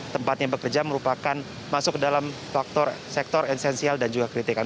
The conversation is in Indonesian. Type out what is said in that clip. tempat yang bekerja merupakan masuk ke dalam faktor sektor esensial dan juga kritikal